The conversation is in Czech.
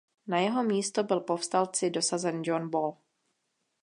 Na jeho místo byl povstalci dosazen John Ball.